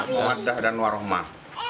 mudah dan warohmat